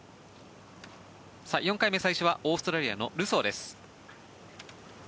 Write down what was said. ４回目最初はオーストラリアのルソーです。